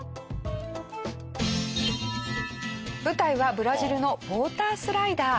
舞台はブラジルのウォータースライダー。